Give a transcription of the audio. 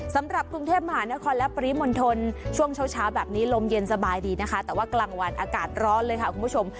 สำหรับกรุงเทพมหานครและปริมณฑลช่วงเช้าเช้าแบบนี้ลมเย็นสบายดีนะคะแต่ว่ากลางวันอากาศร้อนเลยค่ะคุณผู้ชม